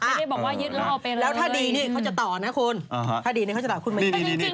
ไม่ได้บอกว่ายึดแล้วเอาเป็นแล้วถ้าดีนี่เขาจะต่อนะคุณถ้าดีนี่เขาจะด่าคุณมาดี